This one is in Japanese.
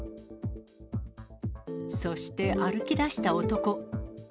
そして、歩きだした男。